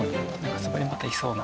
あそこにまたいそうな。